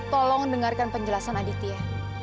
tolong dengarkan penjelasan aditya